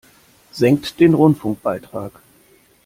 Senkt den Rundfunkbeitrag!